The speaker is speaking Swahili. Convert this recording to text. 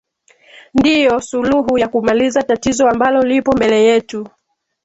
ndiyo suluhu ya kumaliza tatizo ambalo lipo mbele yetu